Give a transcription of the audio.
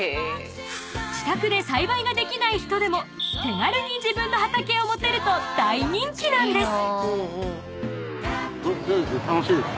［自宅で栽培ができない人でも手軽に自分の畑を持てると大人気なんです］